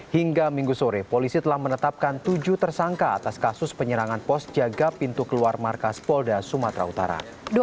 hingga minggu sore polisi telah menetapkan tujuh tersangka atas kasus penyerangan pos jaga pintu keluar markas polda sumatera utara